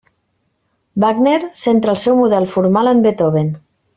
Wagner centra el seu model formal en Beethoven.